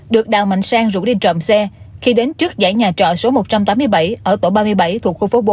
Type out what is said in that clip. được đào mạnh sang rủ đi trộm xe khi đến trước giải nhà trọ số một trăm tám mươi bảy ở tổ ba mươi bảy thuộc khu phố bốn